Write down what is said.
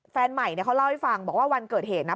แฟนใหม่เขาเล่าให้ฟังบอกว่าวันเกิดเหตุนะ